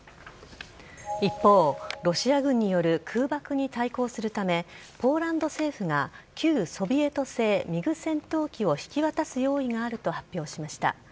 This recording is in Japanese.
一方、ロシア軍による空爆に対抗するため、ポーランド政府が旧ソビエト製ミグ戦闘機を引き渡す用意があると発表しました。